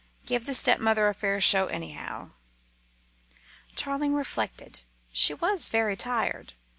Give the stepmother a fair show, anyhow." Charling reflected. She was very tired.